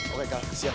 oke karl siap